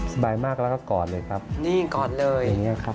สบายมากแล้วก็กอดเลยครับ